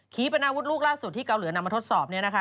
ปนาวุธลูกล่าสุดที่เกาหลีนำมาทดสอบเนี่ยนะคะ